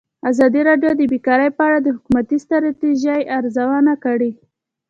ازادي راډیو د بیکاري په اړه د حکومتي ستراتیژۍ ارزونه کړې.